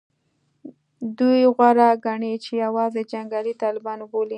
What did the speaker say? دوی غوره ګڼي چې یوازې جنګیالي طالبان وبولي